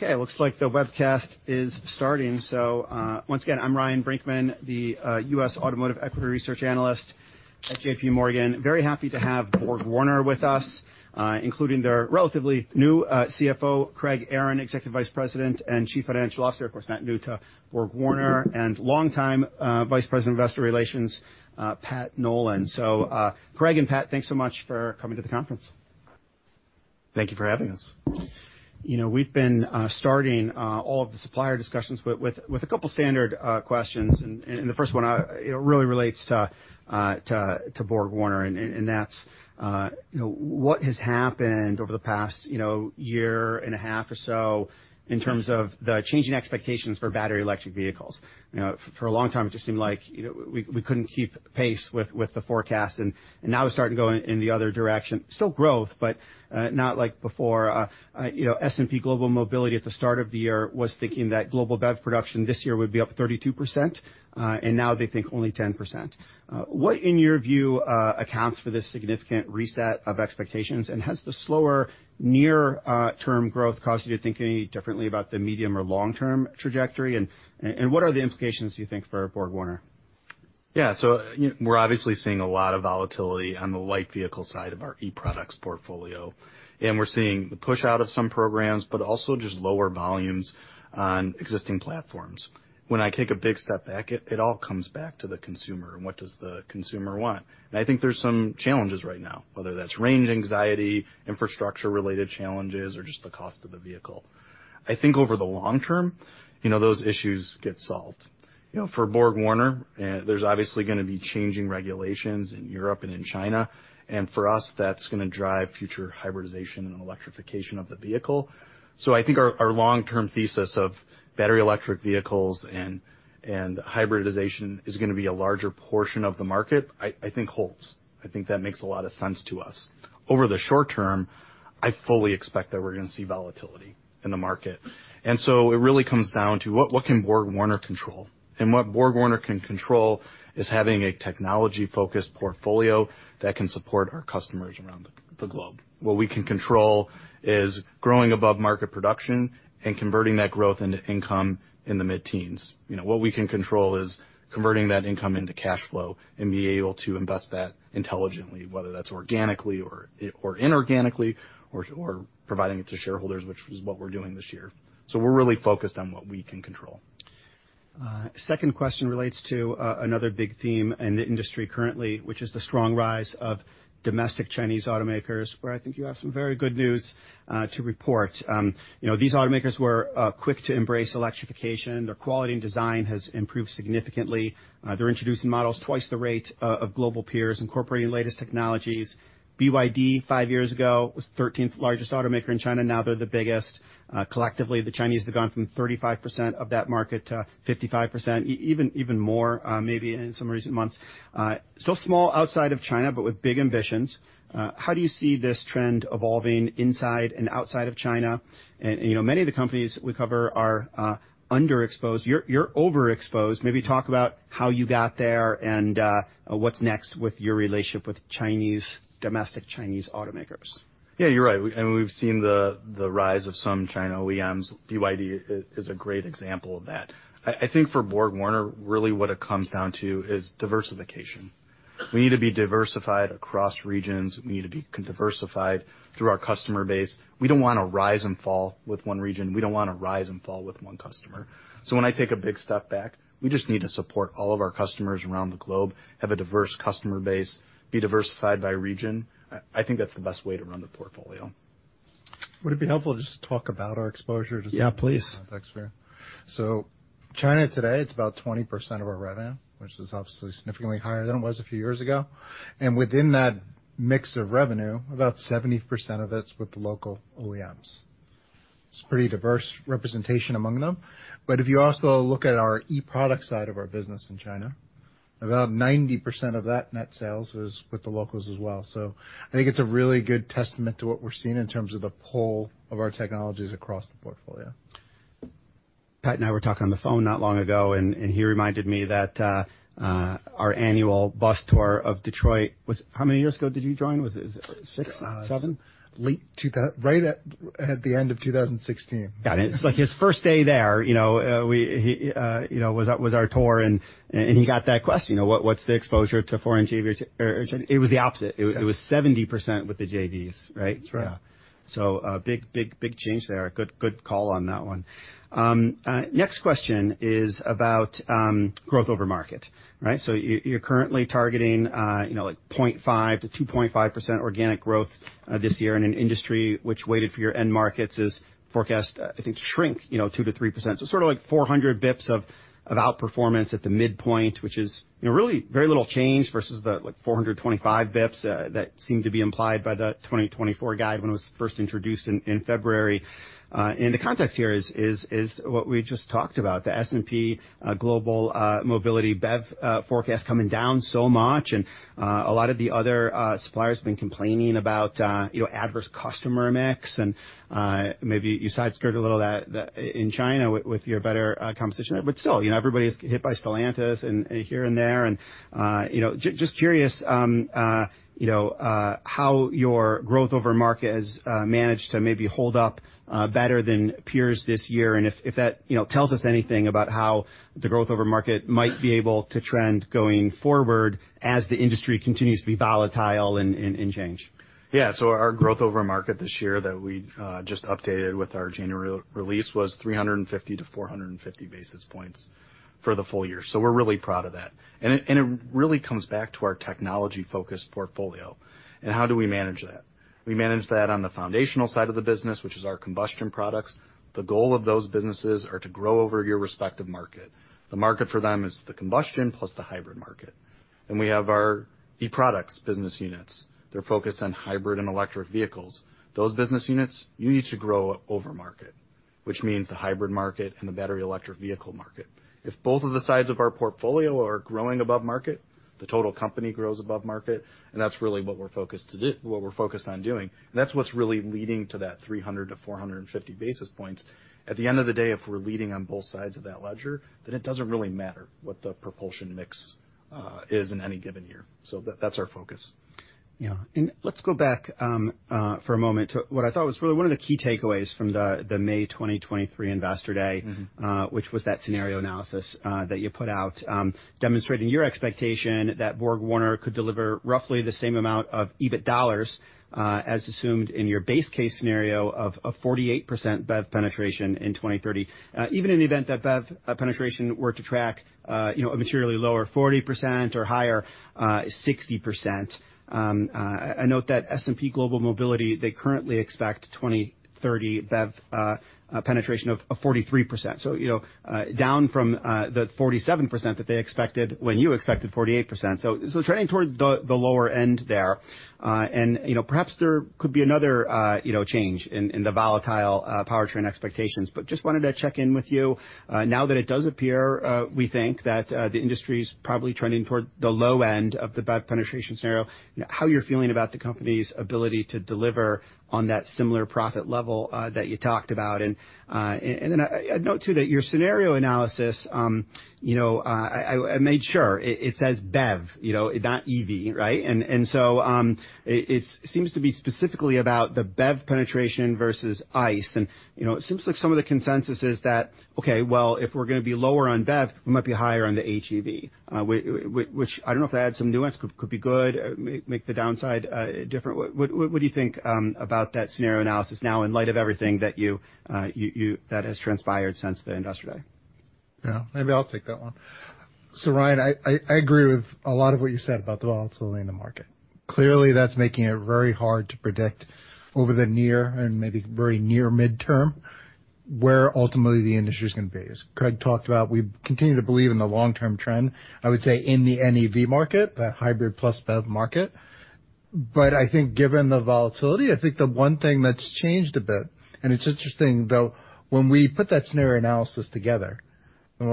Okay, it looks like the webcast is starting. So, once again, I'm Ryan Brinkman, the US Automotive Equity Research Analyst at J.P. Morgan. Very happy to have BorgWarner with us, including their relatively new CFO, Craig Aaron, Executive Vice President and Chief Financial Officer. Of course, not new to BorgWarner and longtime Vice President, Investor Relations, Pat Nolan. So, Craig and Pat, thanks so much for coming to the conference. Thank you for having us. You know, we've been starting all of the supplier discussions with a couple of standard questions. And the first one, it really relates to BorgWarner, and that's, you know, what has happened over the past, you know, year and a half or so in terms of the changing expectations for battery electric vehicles? You know, for a long time, it just seemed like, you know, we couldn't keep pace with the forecast, and now it's starting to go in the other direction. Still growth, but not like before. You know, S&P Global Mobility at the start of the year was thinking that global BEV production this year would be up 32%, and now they think only 10%. What, in your view, accounts for this significant reset of expectations, and has the slower near-term growth caused you to think any differently about the medium- or long-term trajectory? And what are the implications, do you think, for BorgWarner? Yeah, so, you know, we're obviously seeing a lot of volatility on the light vehicle side of our eProducts portfolio, and we're seeing the push out of some programs, but also just lower volumes on existing platforms. When I take a big step back, it all comes back to the consumer, and what does the consumer want? And I think there's some challenges right now, whether that's range anxiety, infrastructure-related challenges, or just the cost of the vehicle. I think over the long term, you know, those issues get solved. You know, for BorgWarner, there's obviously gonna be changing regulations in Europe and in China, and for us, that's gonna drive future hybridization and electrification of the vehicle. So I think our long-term thesis of battery electric vehicles and hybridization is gonna be a larger portion of the market, I think, holds. I think that makes a lot of sense to us. Over the short term, I fully expect that we're gonna see volatility in the market. And so it really comes down to what can BorgWarner control? And what BorgWarner can control is having a technology-focused portfolio that can support our customers around the globe. What we can control is growing above-market production and converting that growth into income in the mid-teens. You know, what we can control is converting that income into cash flow and be able to invest that intelligently, whether that's organically or inorganically, or providing it to shareholders, which is what we're doing this year. So we're really focused on what we can control. Second question relates to another big theme in the industry currently, which is the strong rise of domestic Chinese automakers, where I think you have some very good news to report. You know, these automakers were quick to embrace electrification. Their quality and design has improved significantly. They're introducing models twice the rate of global peers, incorporating latest technologies. BYD, five years ago, was the 13th largest automaker in China, now they're the biggest. Collectively, the Chinese have gone from 35% of that market to 55%, even more, maybe in some recent months. Still small outside of China, but with big ambitions. How do you see this trend evolving inside and outside of China? And, you know, many of the companies we cover are underexposed. You're overexposed. Maybe talk about how you got there and, what's next with your relationship with Chinese domestic Chinese automakers. Yeah, you're right. We've seen the rise of some China OEMs. BYD is a great example of that. I think for BorgWarner, really what it comes down to is diversification. We need to be diversified across regions. We need to be diversified through our customer base. We don't want to rise and fall with one region. We don't want to rise and fall with one customer. So when I take a big step back, we just need to support all of our customers around the globe, have a diverse customer base, be diversified by region. I think that's the best way to run the portfolio. Would it be helpful to just talk about our exposure to- Yeah, please. Thanks, Ryan. So China today, it's about 20% of our revenue, which is obviously significantly higher than it was a few years ago. And within that mix of revenue, about 70% of it's with the local OEMs. It's pretty diverse representation among them, but if you also look at our eProduct side of our business in China, about 90% of that net sales is with the locals as well. So I think it's a really good testament to what we're seeing in terms of the pull of our technologies across the portfolio. Pat and I were talking on the phone not long ago, and, and he reminded me that, our annual bus tour of Detroit was... How many years ago did you join? Was it six, seven? Late 2016, right at the end of 2016. Got it. It's like his first day there, you know, we, he, you know, was our, was our tour, and, and he got that question. You know, what, what's the exposure to foreign JV? Or, it was the opposite. Yeah. It was 70% with the JVs, right? That's right. So, big, big, big change there. Good, good call on that one. Next question is about, growth over market, right? So you, you're currently targeting, you know, like 0.5%-2.5% organic growth, this year in an industry which weighted for your end markets is forecast, I think, to shrink, you know, 2%-3%. So sort of like 400 basis points of, of outperformance at the midpoint, which is, you know, really very little change versus the, like, 425 basis points, that seemed to be implied by the 2024 guide when it was first introduced in, February. And the context here is what we just talked about, the S&P Global Mobility BEV forecast coming down so much, and a lot of the other suppliers have been complaining about, you know, adverse customer mix, and maybe you sideskirt a little of that in China with your better composition. But still, you know, everybody's hit by Stellantis and here and there, and you know. Just curious, you know, how your growth over market has managed to maybe hold up better than peers this year, and if that, you know, tells us anything about how the growth over market might be able to trend going forward as the industry continues to be volatile and change. Yeah, so our growth over market this year that we just updated with our January re-release was 350-450 basis points for the full year. So we're really proud of that. And it really comes back to our technology-focused portfolio, and how do we manage that? We manage that on the foundational side of the business, which is our combustion products. The goal of those businesses are to grow over your respective market. The market for them is the combustion plus the hybrid market. Then we have our eProducts business units. They're focused on hybrid and electric vehicles. Those business units, you need to grow over market, which means the hybrid market and the battery electric vehicle market. If both of the sides of our portfolio are growing above market, the total company grows above market, and that's really what we're focused on doing, and that's what's really leading to that 300-450 basis points. At the end of the day, if we're leading on both sides of that ledger, then it doesn't really matter what the propulsion mix is in any given year. So that's our focus. Yeah. Let's go back for a moment to what I thought was really one of the key takeaways from the May 2023 Investor Day- Mm-hmm. which was that scenario analysis that you put out, demonstrating your expectation that BorgWarner could deliver roughly the same amount of EBIT dollars as assumed in your base case scenario of 48% BEV penetration in 2030. Even in the event that BEV penetration were to track, you know, a materially lower 40% or higher 60%. I note that S&P Global Mobility, they currently expect 2030 BEV penetration of 43%. So, you know, down from the 47% that they expected when you expected 48%. So, trending toward the lower end there. And, you know, perhaps there could be another, you know, change in the volatile powertrain expectations. But just wanted to check in with you, now that it does appear, we think that the industry's probably trending toward the low end of the BEV penetration scenario, how you're feeling about the company's ability to deliver on that similar profit level that you talked about. And then I'd note, too, that your scenario analysis, you know, I made sure it says BEV, you know, not EV, right? And so, it seems to be specifically about the BEV penetration versus ICE. And, you know, it seems like some of the consensus is that, okay, well, if we're gonna be lower on BEV, we might be higher on the HEV, which I don't know, if I add some nuance, could be good, make the downside different. What do you think about that scenario analysis now, in light of everything that has transpired since the Investor Day? Yeah, maybe I'll take that one. So Ryan, I agree with a lot of what you said about the volatility in the market. Clearly, that's making it very hard to predict over the near and maybe very near midterm, where ultimately the industry is gonna be. As Craig talked about, we continue to believe in the long-term trend, I would say, in the NEV market, that hybrid plus BEV market. But I think given the volatility, I think the one thing that's changed a bit, and it's interesting, though, when we put that scenario analysis together, we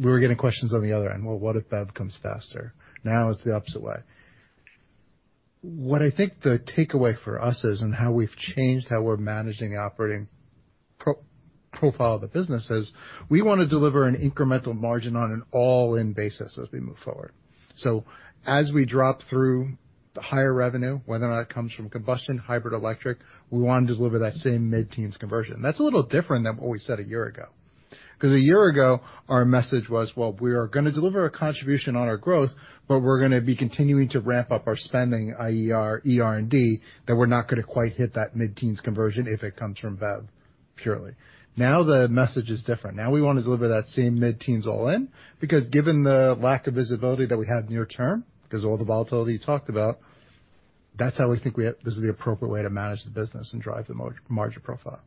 were getting questions on the other end. "Well, what if BEV comes faster?" Now it's the opposite way. What I think the takeaway for us is, and how we've changed how we're managing the operating profile of the business, is we wanna deliver an incremental margin on an all-in basis as we move forward. So as we drop through the higher revenue, whether or not it comes from combustion, hybrid, electric, we want to deliver that same mid-teens conversion. That's a little different than what we said a year ago. 'Cause a year ago, our message was: Well, we are gonna deliver a contribution on our growth, but we're gonna be continuing to ramp up our spending, i.e., our ER&D, that we're not gonna quite hit that mid-teens conversion if it comes from BEV purely. Now, the message is different. Now, we wanna deliver that same mid-teens all-in, because given the lack of visibility that we have near term, because all the volatility you talked about, that's how we think we have this is the appropriate way to manage the business and drive the margin profile.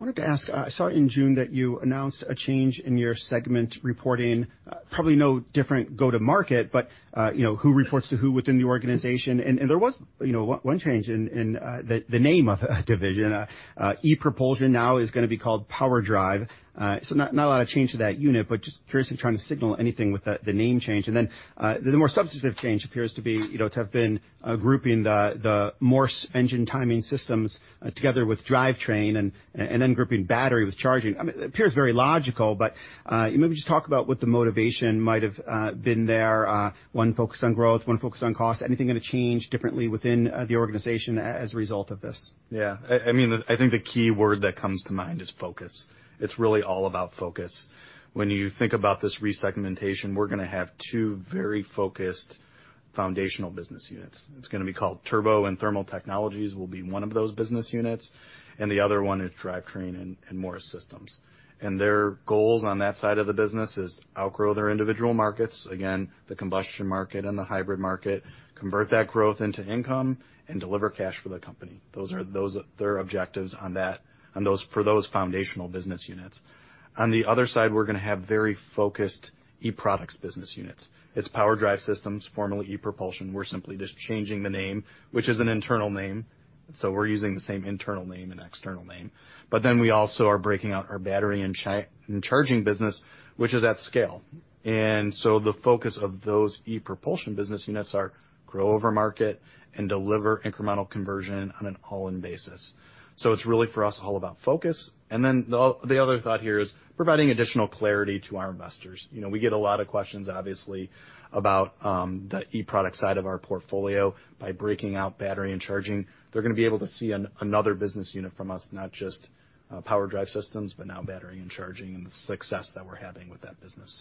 I wanted to ask, I saw in June that you announced a change in your segment reporting. Probably no different go-to-market, but, you know, who reports to who within the organization. And there was, you know, one change in the name of a division. ePropulsion now is gonna be called PowerDrive. So not a lot of change to that unit, but just curiously trying to signal anything with the name change. And then the more substantive change appears to be, you know, to have been grouping the Morse engine timing systems together with drivetrain and then grouping battery with charging. I mean, it appears very logical, but maybe just talk about what the motivation might have been there. One focused on growth, one focused on cost. Anything gonna change differently within the organization as a result of this? Yeah. I mean, I think the key word that comes to mind is focus. It's really all about focus. When you think about this resegmentation, we're gonna have two very focused foundational business units. It's gonna be called Turbo, and Thermal Technologies will be one of those business units, and the other one is Drivetrain and Morse Systems. And their goals on that side of the business is outgrow their individual markets, again, the combustion market and the hybrid market, convert that growth into income and deliver cash for the company. Those are their objectives on that, on those for those foundational business units. On the other side, we're gonna have very focused eProducts business units. It's PowerDrive Systems, formerly ePropulsion. We're simply just changing the name, which is an internal name, so we're using the same internal name and external name. But then we also are breaking out our battery and charging business, which is at scale. And so the focus of those ePropulsion business units are grow over market and deliver incremental conversion on an all-in basis. So it's really, for us, all about focus. And then the other thought here is providing additional clarity to our investors. You know, we get a lot of questions, obviously, about, the eProduct side of our portfolio. By breaking out battery and charging, they're gonna be able to see another business unit from us, not just, PowerDrive Systems, but now battery and charging, and the success that we're having with that business. ...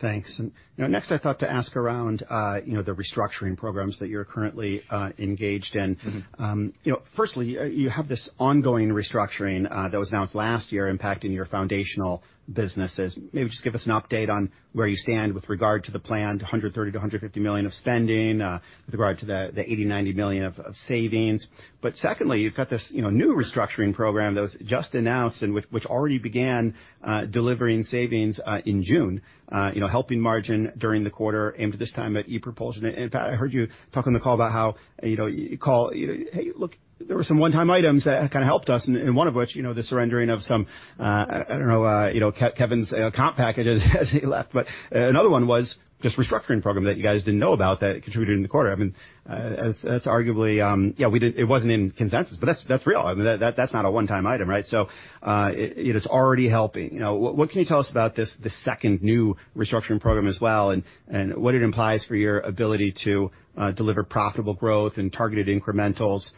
Thanks. You know, next, I thought to ask around, you know, the restructuring programs that you're currently engaged in. Mm-hmm. You know, firstly, you have this ongoing restructuring that was announced last year impacting your foundational businesses. Maybe just give us an update on where you stand with regard to the planned $130 million -$150 million of spending, with regard to the $80 million -$90 million of savings. But secondly, you've got this, you know, new restructuring program that was just announced and which already began delivering savings in June, you know, helping margin during the quarter, aimed this time at ePropulsion. And, in fact, I heard you talk on the call about how, you know, you call, you know, "Hey, look, there were some one-time items that kind of helped us," and one of which, you know, the surrendering of some, you know, Kevin's comp packages as he left. But another one was just restructuring program that you guys didn't know about that contributed in the quarter. I mean, that's arguably. Yeah, we didn't. It wasn't in consensus, but that's real. I mean, that's not a one-time item, right? So, it is already helping. You know, what, what can you tell us about this, the second new restructuring program as well, and, and what it implies for your ability to deliver profitable growth and targeted incrementals,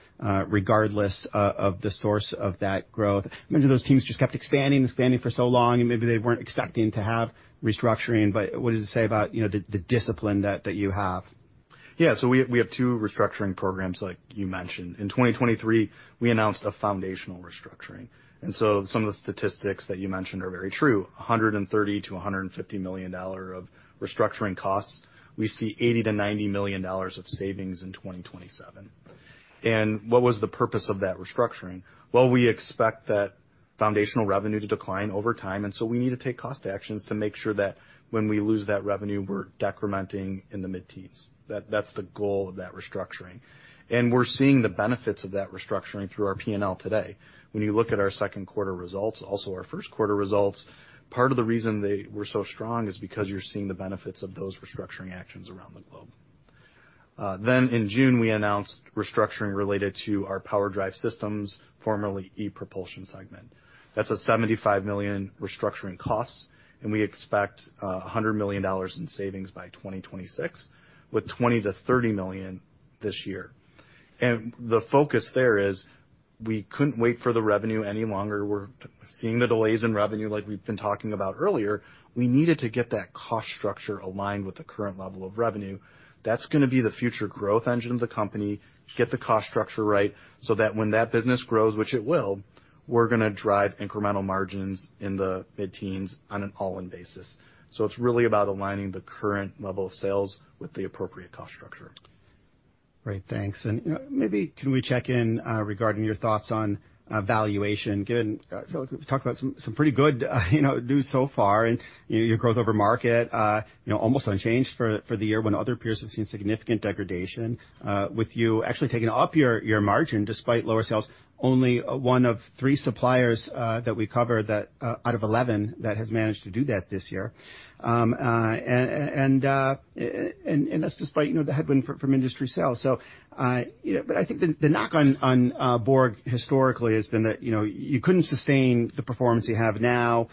regardless of the source of that growth? Maybe those teams just kept expanding, expanding for so long, and maybe they weren't expecting to have restructuring, but what does it say about, you know, the, the discipline that, that you have? Yeah, so we have two restructuring programs, like you mentioned. In 2023, we announced a foundational restructuring, and so some of the statistics that you mentioned are very true, $100 million -$150 million of restructuring costs. We see $80 million -$90 million of savings in 2027. And what was the purpose of that restructuring? Well, we expect that foundational revenue to decline over time, and so we need to take cost actions to make sure that when we lose that revenue, we're decrementing in the mid-teens. That's the goal of that restructuring. And we're seeing the benefits of that restructuring through our P&L today. When you look at our second quarter results, also our first quarter results, part of the reason they were so strong is because you're seeing the benefits of those restructuring actions around the globe. Then in June, we announced restructuring related to our PowerDrive Systems, formerly ePropulsion segment. That's a $75 million restructuring costs, and we expect a $100 million in savings by 2026, with $20 million-$30 million this year. And the focus there is we couldn't wait for the revenue any longer. We're seeing the delays in revenue like we've been talking about earlier. We needed to get that cost structure aligned with the current level of revenue. That's gonna be the future growth engine of the company, get the cost structure right, so that when that business grows, which it will, we're gonna drive incremental margins in the mid-teens on an all-in basis. So it's really about aligning the current level of sales with the appropriate cost structure. Great, thanks. And, you know, maybe can we check in regarding your thoughts on valuation, given... So we've talked about some pretty good, you know, news so far, and, you know, your growth over market, you know, almost unchanged for the year when other peers have seen significant degradation, with you actually taking up your margin despite lower sales, only one of three suppliers that we cover, that out of 11 that has managed to do that this year. And that's despite, you know, the headwind from industry sales. So, you know, but I think the knock on Borg, historically, has been that, you know, you couldn't sustain the performance you have now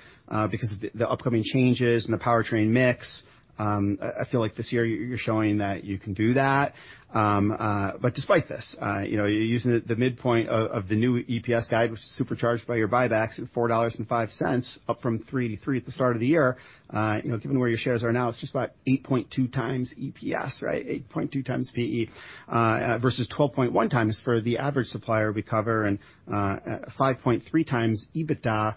because of the upcoming changes and the powertrain mix. I feel like this year you're showing that you can do that. But despite this, you know, you're using the midpoint of the new EPS guide, which is supercharged by your buybacks at $4.05, up from $3.03 at the start of the year. You know, given where your shares are now, it's just about 8.2 times EPS, right? 8.2x P/E, versus 12.1x for the average supplier we cover, and 5.3x EBITDA,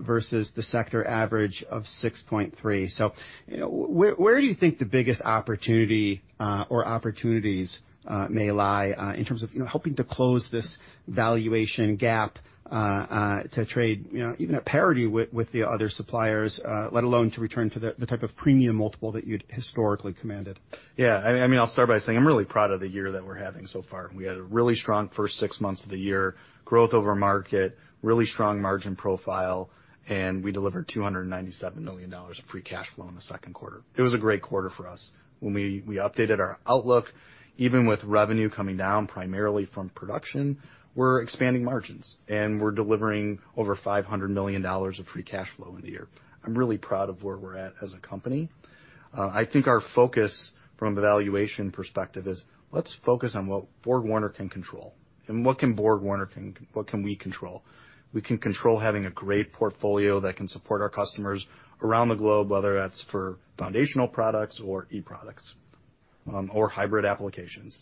versus the sector average of 6.3. So, you know, where do you think the biggest opportunity, or opportunities, may lie, in terms of, you know, helping to close this valuation gap, to trade, you know, even at parity with, with the other suppliers, let alone to return to the, the type of premium multiple that you'd historically commanded? Yeah, I mean, I'll start by saying I'm really proud of the year that we're having so far. We had a really strong first six months of the year, growth over market, really strong margin profile, and we delivered $297 million of free cash flow in the second quarter. It was a great quarter for us. When we updated our outlook, even with revenue coming down primarily from production, we're expanding margins, and we're delivering over $500 million of free cash flow in the year. I'm really proud of where we're at as a company. I think our focus from a valuation perspective is, let's focus on what BorgWarner can control, and what can we control? We can control having a great portfolio that can support our customers around the globe, whether that's for foundational products or e-products... or hybrid applications.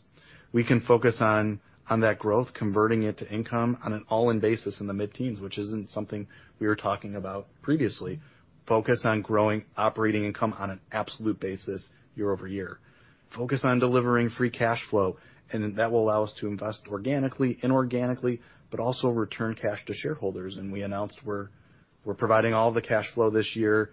We can focus on that growth, converting it to income on an all-in basis in the mid-teens, which isn't something we were talking about previously. Focus on growing operating income on an absolute basis year over year. Focus on delivering free cash flow, and then that will allow us to invest organically, inorganically, but also return cash to shareholders. And we announced we're providing all the cash flow this year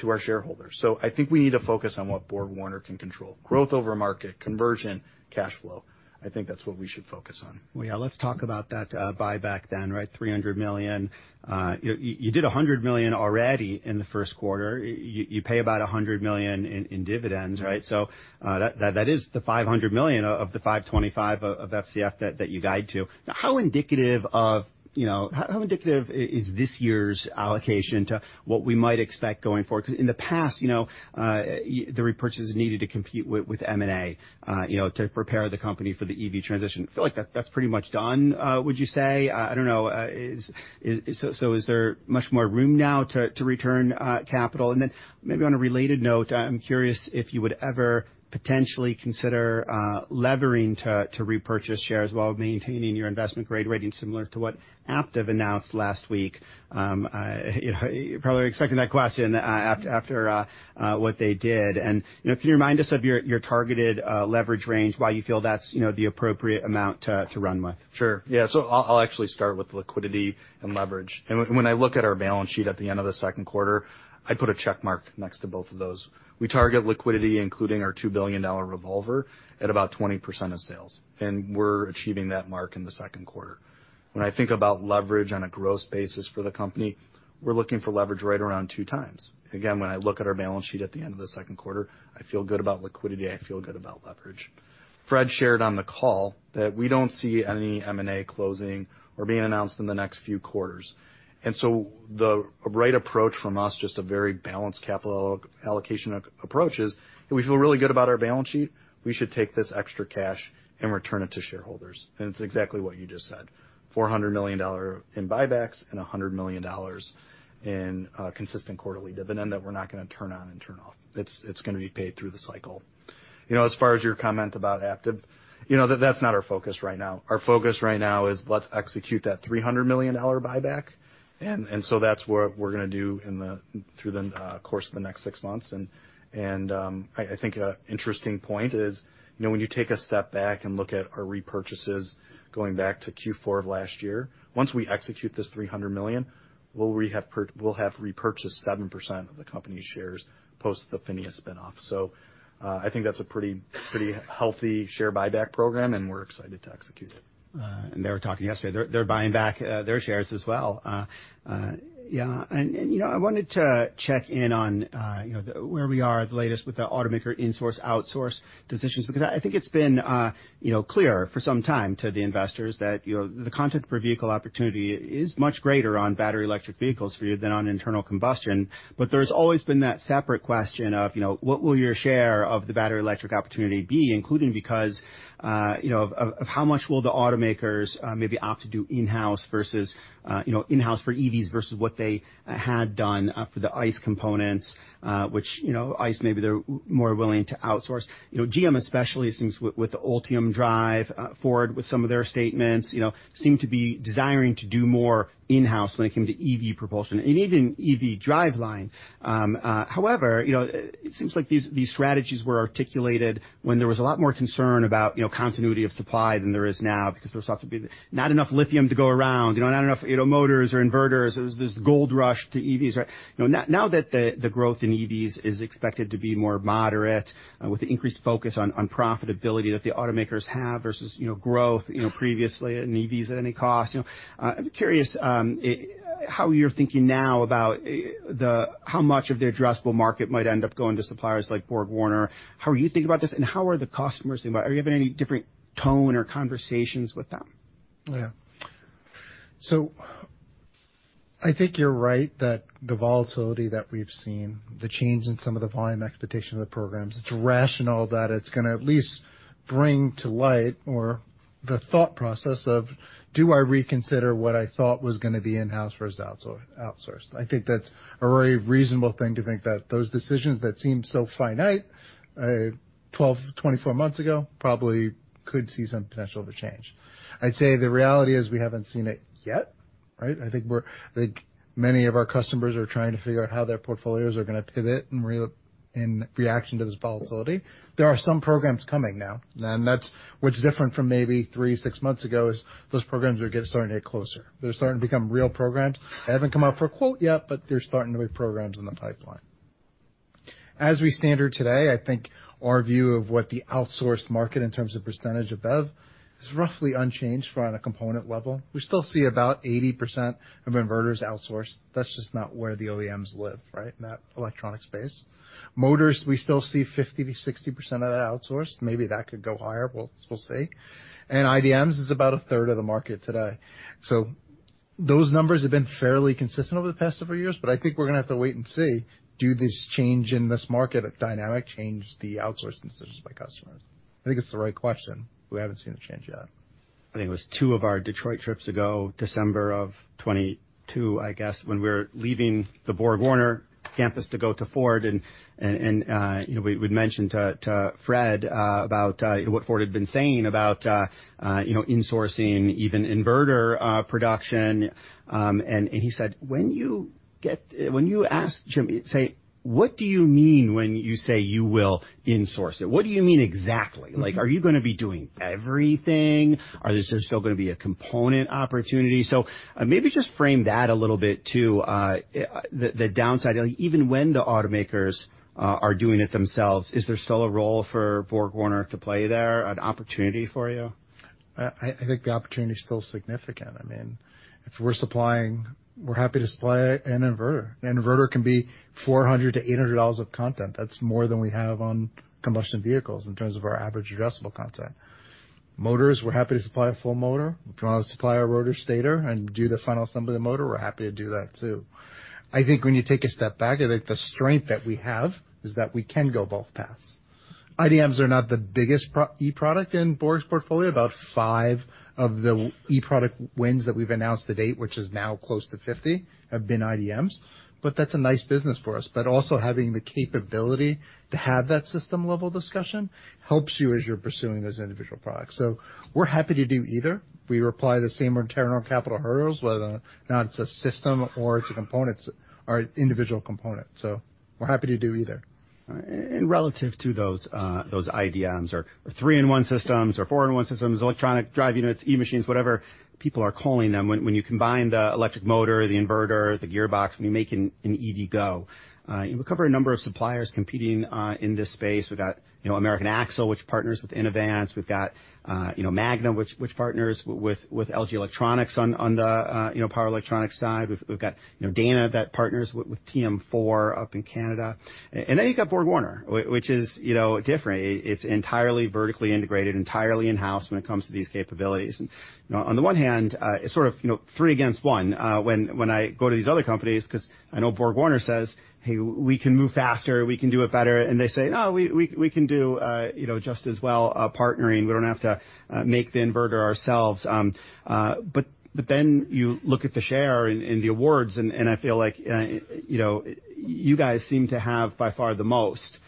to our shareholders. So I think we need to focus on what BorgWarner can control. Growth over market, conversion, cash flow. I think that's what we should focus on. Well, yeah, let's talk about that, buyback then, right? $300 million. You did $100 million already in the first quarter. You pay about $100 million in dividends, right? So, that is the $500 million of the $525 million of FCF that you guide to. Now, how indicative of, you know, how indicative is this year's allocation to what we might expect going forward? 'Cause in the past, you know, the repurchases needed to compete with M&A, you know, to prepare the company for the EV transition. I feel like that's pretty much done, would you say? I don't know, so is there much more room now to return capital? And then maybe on a related note, I'm curious if you would ever potentially consider levering to repurchase shares while maintaining your investment grade rating, similar to what Aptiv announced last week. You probably were expecting that question, after what they did. And, you know, can you remind us of your targeted leverage range, why you feel that's, you know, the appropriate amount to run with? Sure. Yeah, so I'll, I'll actually start with liquidity and leverage. And when, when I look at our balance sheet at the end of the second quarter, I put a check mark next to both of those. We target liquidity, including our $2 billion revolver, at about 20% of sales, and we're achieving that mark in the second quarter. When I think about leverage on a gross basis for the company, we're looking for leverage right around 2x. Again, when I look at our balance sheet at the end of the second quarter, I feel good about liquidity, I feel good about leverage. Fred shared on the call that we don't see any M&A closing or being announced in the next few quarters, and so the right approach from us, just a very balanced capital allocation approach, is that we feel really good about our balance sheet. We should take this extra cash and return it to shareholders. And it's exactly what you just said, $400 million in buybacks and $100 million in consistent quarterly dividend that we're not gonna turn on and turn off. It's gonna be paid through the cycle. You know, as far as your comment about Aptiv, you know, that's not our focus right now. Our focus right now is let's execute that $300 million buyback, and so that's what we're gonna do through the course of the next six months. I think an interesting point is, you know, when you take a step back and look at our repurchases going back to Q4 of last year, once we execute this $300 million, we'll have repurchased 7% of the company's shares post the PHINIA spin-off. So, I think that's a pretty, pretty healthy share buyback program, and we're excited to execute it. And they were talking yesterday. They're buying back their shares as well. Yeah, and you know, I wanted to check in on you know, where we are at the latest with the automaker in-source, outsource decisions, because I think it's been you know, clear for some time to the investors that you know, the content per vehicle opportunity is much greater on battery electric vehicles for you than on internal combustion. But there's always been that separate question of you know, what will your share of the battery electric opportunity be, including because you know, of how much will the automakers maybe opt to do in-house versus you know, in-house for EVs versus what they had done for the ICE components, which you know, ICE, maybe they're more willing to outsource. You know, GM especially, it seems, with the Ultium Drive, Ford, with some of their statements, you know, seem to be desiring to do more in-house when it came to EV propulsion and even EV driveline. However, you know, it seems like these strategies were articulated when there was a lot more concern about, you know, continuity of supply than there is now, because there was thought to be not enough lithium to go around, you know, not enough, you know, motors or inverters. It was this gold rush to EVs, right? Now, now that the growth in EVs is expected to be more moderate, with the increased focus on profitability that the automakers have versus, you know, growth, you know, previously in EVs at any cost, you know, I'm curious, how you're thinking now about the, how much of the addressable market might end up going to suppliers like BorgWarner? How are you thinking about this, and how are the customers thinking about it? Are you having any different tone or conversations with them? Yeah. So I think you're right that the volatility that we've seen, the change in some of the volume expectation of the programs, it's rational that it's gonna at least bring to light, or the thought process of, do I reconsider what I thought was gonna be in-house versus outsourced? I think that's a very reasonable thing to think, that those decisions that seemed so finite 12-24 months ago probably could see some potential to change. I'd say the reality is we haven't seen it yet, right? I think we're. I think many of our customers are trying to figure out how their portfolios are gonna pivot in reaction to this volatility. There are some programs coming now, and that's what's different from maybe 3, 6 months ago, is those programs are getting, starting to get closer. They're starting to become real programs. They haven't come out for a quote yet, but there's starting to be programs in the pipeline. As we stand here today, I think our view of what the outsourced market, in terms of percentage of BEV, is roughly unchanged from on a component level. We still see about 80% of inverters outsourced. That's just not where the OEMs live, right? In that electronic space. Motors, we still see 50%-60% of that outsourced. Maybe that could go higher, we'll, we'll see. And IDMs is about a third of the market today. So those numbers have been fairly consistent over the past several years, but I think we're gonna have to wait and see. Do this change in this market dynamic change the outsource decisions by customers?... I think it's the right question. We haven't seen a change yet. I think it was two of our Detroit trips ago, December of 2022, I guess, when we were leaving the BorgWarner campus to go to Ford, and, you know, we'd mentioned to Fred about, you know, insourcing even inverter production. And he said, "When you ask Jim, say, 'What do you mean when you say you will insource it? What do you mean exactly?' Mm-hmm. Like, are you gonna be doing everything? Are there still gonna be a component opportunity? So, maybe just frame that a little bit to the downside. Even when the automakers are doing it themselves, is there still a role for BorgWarner to play there, an opportunity for you? I, I think the opportunity is still significant. I mean, if we're supplying, we're happy to supply an inverter. An inverter can be $400-$800 of content. That's more than we have on combustion vehicles in terms of our average adjustable content. Motors, we're happy to supply a full motor. If you want us to supply a rotor stator and do the final assembly of the motor, we're happy to do that, too. I think when you take a step back, I think the strength that we have is that we can go both paths. IDMs are not the biggest pro- e-product in Borg's portfolio. About five of the e-product wins that we've announced to date, which is now close to 50, have been IDMs, but that's a nice business for us. Also having the capability to have that system-level discussion helps you as you're pursuing those individual products. We're happy to do either. We apply the same return on capital hurdles, whether or not it's a system or it's components or individual component, so we're happy to do either. And relative to those, those IDMs or three-in-one systems or four-in-one systems, electronic drive units, eMachines, whatever people are calling them, when you combine the electric motor, the inverter, the gearbox, when you make an EV go, you recover a number of suppliers competing in this space. We've got, you know, American Axle, which partners with Inovance. We've got, you know, Magna, which partners with LG Electronics on the power electronics side. We've got, you know, Dana, that partners with TM4 up in Canada. And then you've got BorgWarner, which is, you know, different. It's entirely vertically integrated, entirely in-house when it comes to these capabilities. You know, on the one hand, it's sort of, you know, three against one, when I go to these other companies, 'cause I know BorgWarner says, "Hey, we can move faster, we can do it better." And they say, "No, we can do, you know, just as well, partnering. We don't have to make the inverter ourselves." But then you look at the share and the awards, and I feel like, you know, you guys seem to have, by far, the most.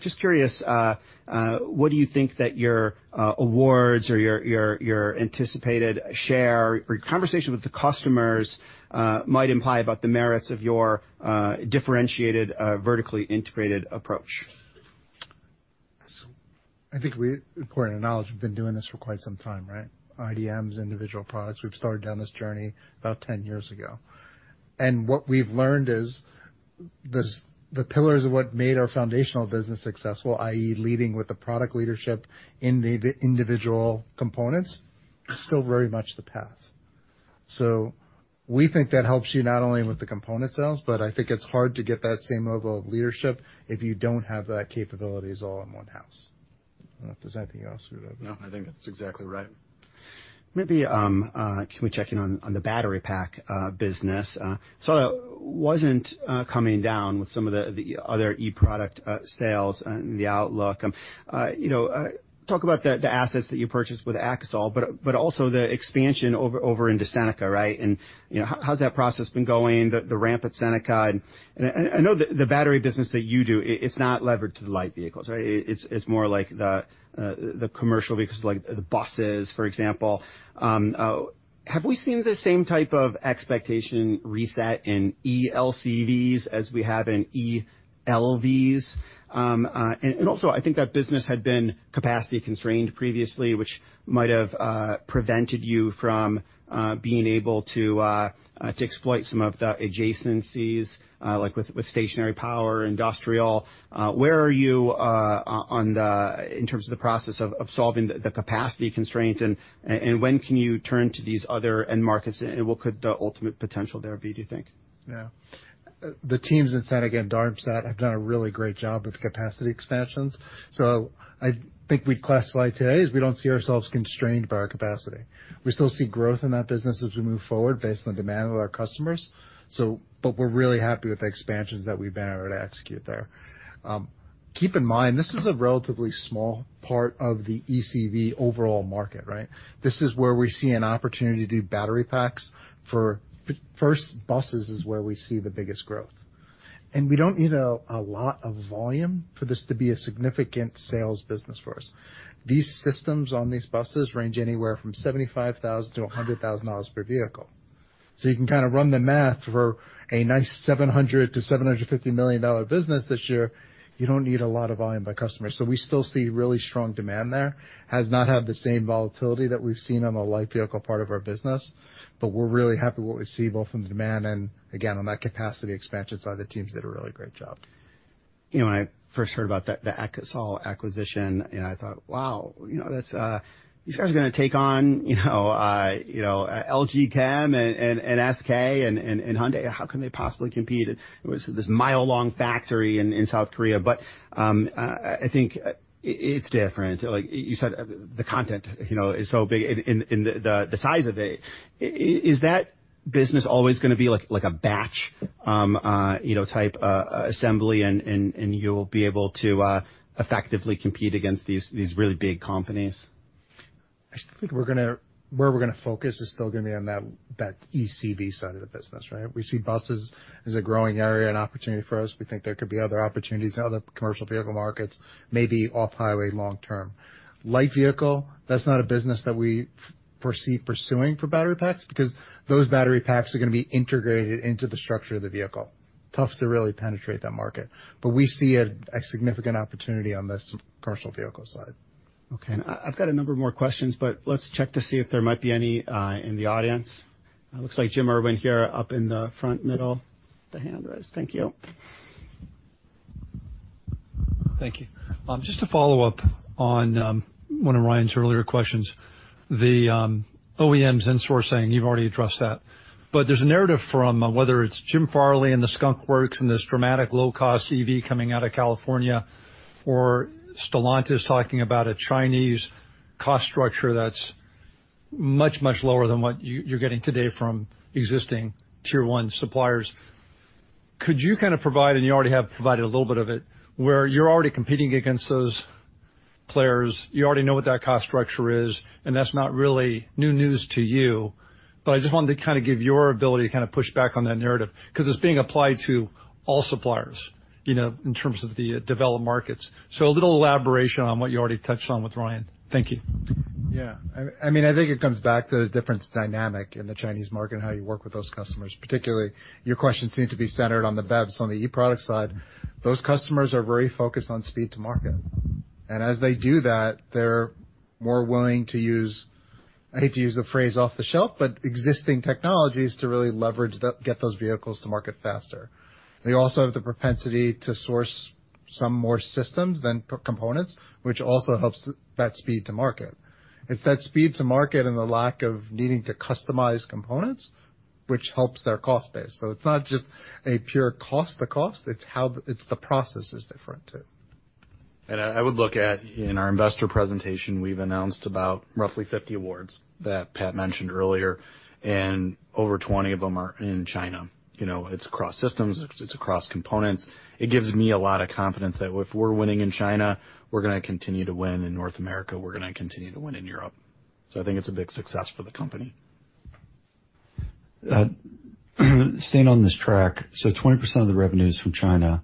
Just curious, what do you think that your awards or your anticipated share or conversation with the customers might imply about the merits of your differentiated vertically integrated approach? So I think it's important to acknowledge, we've been doing this for quite some time, right? IDMs, individual products, we've started down this journey about 10 years ago. And what we've learned is this, the pillars of what made our foundational business successful, i.e., leading with the product leadership in the individual components, is still very much the path. So we think that helps you not only with the component sales, but I think it's hard to get that same level of leadership if you don't have that capabilities all in one house. There's anything else you'd add? No, I think that's exactly right. Maybe, can we check in on the battery pack business? So it wasn't coming down with some of the other eProducts sales and the outlook. You know, talk about the assets that you purchased with Akasol, but also the expansion over into Seneca, right? And, you know, how's that process been going, the ramp at Seneca? And I know the battery business that you do, it's not levered to the light vehicles, right? It's more like the commercial vehicles, like the buses, for example. Have we seen the same type of expectation reset in ELCVs as we have in ELVs? And also, I think that business had been capacity constrained previously, which might have prevented you from being able to exploit some of the adjacencies, like with stationary power, industrial. Where are you on the... in terms of the process of solving the capacity constraint, and when can you turn to these other end markets, and what could the ultimate potential there be, do you think? Yeah. The teams in Seneca and Darmstadt have done a really great job with capacity expansions. So I think we'd classify today as we don't see ourselves constrained by our capacity. We still see growth in that business as we move forward based on the demand of our customers, but we're really happy with the expansions that we've been able to execute there. Keep in mind, this is a relatively small part of the ECV overall market, right? This is where we see an opportunity to do battery packs. First, buses is where we see the biggest growth, and we don't need a lot of volume for this to be a significant sales business for us. These systems on these buses range anywhere from $75,000-$100,000 per vehicle. So you can kind of run the math for a nice $700 million-$750 million business this year, you don't need a lot of volume by customers. So we still see really strong demand there. Has not had the same volatility that we've seen on the light vehicle part of our business, but we're really happy what we see, both from the demand and again, on that capacity expansion side, the teams did a really great job. You know, when I first heard about the Akasol acquisition, and I thought, wow, you know, that's... these guys are gonna take on, you know, LG Chem and SK and Hyundai. How can they possibly compete? It was this mile-long factory in South Korea. But, I think it's different. Like you said, the content, you know, is so big in the size of it. Is that business always gonna be like a batch, you know, type assembly, and you'll be able to effectively compete against these really big companies? I still think where we're gonna focus is still gonna be on that ECV side of the business, right? We see buses as a growing area and opportunity for us. We think there could be other opportunities in other commercial vehicle markets, maybe off-highway, long term. Light vehicle, that's not a business that we foresee pursuing for battery packs, because those battery packs are gonna be integrated into the structure of the vehicle. Tough to really penetrate that market, but we see a significant opportunity on the commercial vehicle side. Okay. And I, I've got a number of more questions, but let's check to see if there might be any, in the audience. It looks like Jim Irwin here up in the front middle with a hand raised. Thank you. Thank you. Just to follow up on one of Ryan's earlier questions, the OEMs and sourcing, you've already addressed that. But there's a narrative from, whether it's Jim Farley and the Skunk Works and this dramatic low-cost EV coming out of California, or Stellantis talking about a Chinese cost structure that's much, much lower than what you're getting today from existing Tier 1 suppliers. Could you kind of provide, and you already have provided a little bit of it, where you're already competing against those players, you already know what that cost structure is, and that's not really new news to you. But I just wanted to kind of give your ability to kind of push back on that narrative, 'cause it's being applied to all suppliers, you know, in terms of the developed markets. A little elaboration on what you already touched on with Ryan. Thank you. Yeah. I, I mean, I think it comes back to the different dynamic in the Chinese market and how you work with those customers, particularly, your question seemed to be centered on the BEVs. On the e-product side, those customers are very focused on speed to market. And as they do that, they're more willing to use, I hate to use the phrase off the shelf, but existing technologies to really leverage the get those vehicles to market faster. They also have the propensity to source some more systems than components, which also helps that speed to market. It's that speed to market and the lack of needing to customize components, which helps their cost base. So it's not just a pure cost to cost, it's how it's the process is different, too. I would look at, in our investor presentation, we've announced about roughly 50 awards that Pat mentioned earlier, and over 20 of them are in China. You know, it's across systems, it's across components. It gives me a lot of confidence that if we're winning in China, we're gonna continue to win in North America, we're gonna continue to win in Europe. So I think it's a big success for the company. Staying on this track, so 20% of the revenue is from China.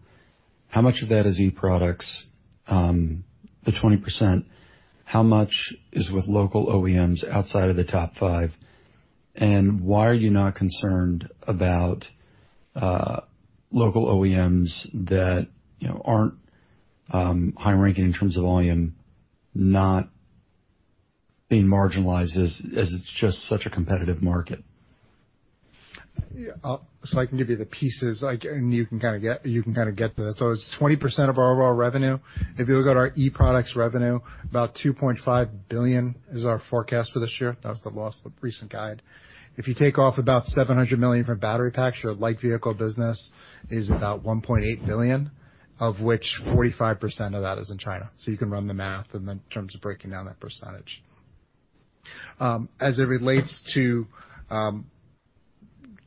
How much of that is e-products? The 20%, how much is with local OEMs outside of the top five? And why are you not concerned about local OEMs that, you know, aren't high ranking in terms of volume, not being marginalized as it's just such a competitive market? Yeah, so I can give you the pieces, like, and you can kind of get, you can kind of get to that. So it's 20% of our overall revenue. If you look at our e-products revenue, about $2.5 billion is our forecast for this year. That was the last, the recent guide. If you take off about $700 million from battery packs, your light vehicle business is about $1.8 billion, of which 45% of that is in China. So you can run the math in the terms of breaking down that percentage. As it relates to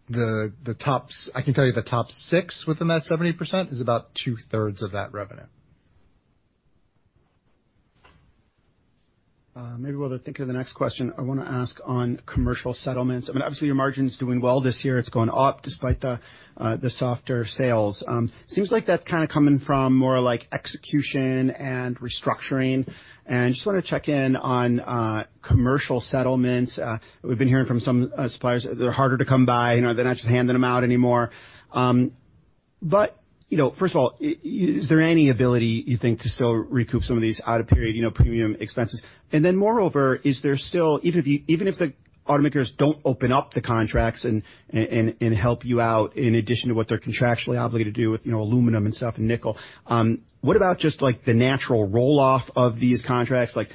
the top six within that 70% is about two-thirds of that revenue. Maybe while they're thinking of the next question, I wanna ask on commercial settlements. I mean, obviously, your margin's doing well this year. It's going up despite the softer sales. Seems like that's kind of coming from more like execution and restructuring. And just wanna check in on commercial settlements. We've been hearing from some suppliers that they're harder to come by, you know, they're not just handing them out anymore. But, you know, first of all, is there any ability, you think, to still recoup some of these out-of-period, you know, premium expenses? And then moreover, is there still... Even if the automakers don't open up the contracts and help you out in addition to what they're contractually obligated to do with, you know, aluminum and stuff and nickel, what about just like the natural roll-off of these contracts, like,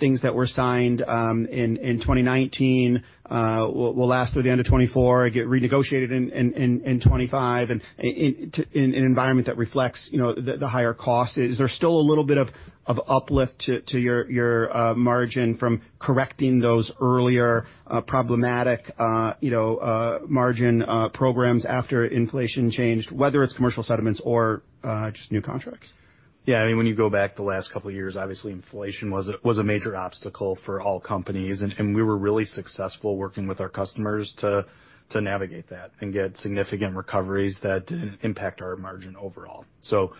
things that were signed in 2019, will last through the end of 2024, get renegotiated in 2025, and in an environment that reflects, you know, the higher cost? Is there still a little bit of uplift to your margin from correcting those earlier problematic, you know, margin programs after inflation changed, whether it's commercial settlements or just new contracts? Yeah, I mean, when you go back the last couple of years, obviously inflation was a major obstacle for all companies, and we were really successful working with our customers to navigate that and get significant recoveries that didn't impact our margin overall. So,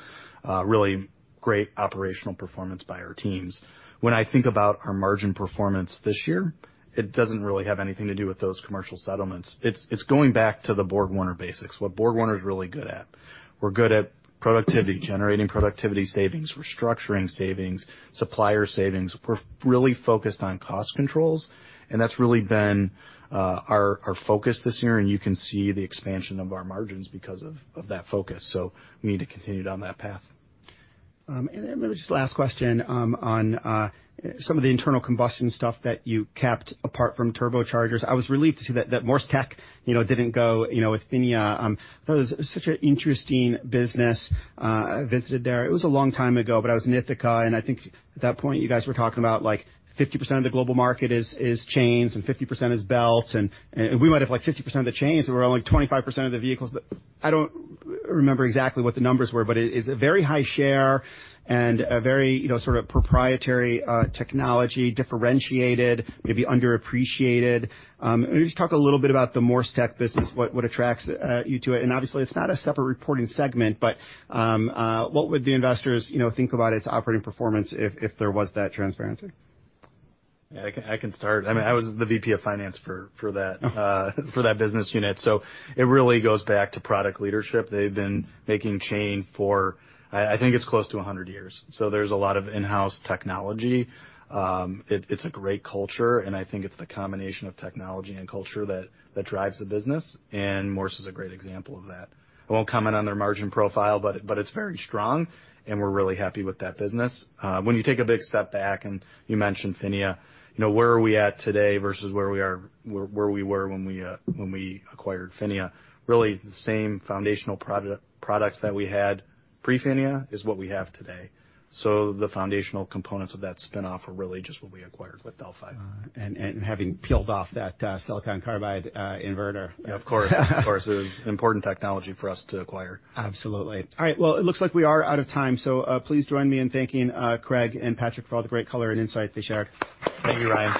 really great operational performance by our teams. When I think about our margin performance this year, it doesn't really have anything to do with those commercial settlements. It's going back to the BorgWarner basics, what BorgWarner is really good at. We're good at productivity, generating productivity savings, restructuring savings, supplier savings. We're really focused on cost controls, and that's really been our focus this year, and you can see the expansion of our margins because of that focus. So we need to continue down that path. Then maybe just last question, on some of the internal combustion stuff that you kept apart from turbochargers. I was relieved to see that Morse Systems, you know, didn't go, you know, with PHINIA. That was such an interesting business. I visited there. It was a long time ago, but I was in Ithaca, and I think at that point, you guys were talking about, like, 50% of the global market is chains and 50% is belts, and we might have, like, 50% of the chains, but we're only 25% of the vehicles. I don't remember exactly what the numbers were, but it is a very high share and a very, you know, sort of proprietary technology, differentiated, maybe underappreciated. Can you just talk a little bit about the Morse TEC business, what attracts you to it? And obviously, it's not a separate reporting segment, but what would the investors, you know, think about its operating performance if there was that transparency? Yeah, I can, I can start. I mean, I was the VP of finance for, for that, for that business unit. So it really goes back to product leadership. They've been making chain for, I, I think it's close to 100 years, so there's a lot of in-house technology. It, it's a great culture, and I think it's the combination of technology and culture that, that drives the business, and Morse is a great example of that. I won't comment on their margin profile, but, but it's very strong, and we're really happy with that business. When you take a big step back, and you mentioned PHINIA, you know, where are we at today versus where we are - where, where we were when we, when we acquired PHINIA? Really, the same foundational products that we had pre-PHINIA is what we have today. The foundational components of that spin-off are really just what we acquired with Delphi. And having peeled off that silicon carbide inverter. Yeah, of course. Of course, it was important technology for us to acquire. Absolutely. All right, well, it looks like we are out of time, so, please join me in thanking Craig and Patrick for all the great color and insight they shared. Thank you, Ryan.